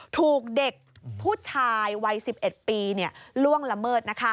ถูกเด็กผู้ชายวัย๑๑ปีล่วงละเมิด